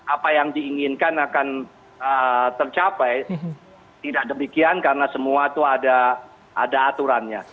apa yang diinginkan akan tercapai tidak demikian karena semua itu ada aturannya